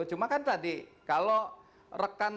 cuma kan tadi kalau rekan